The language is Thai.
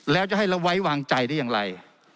แล้วจะให้เราไว้วางใจได้อย่างไร